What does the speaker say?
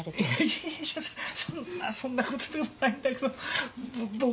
いやいやそんな事でもないんだけど。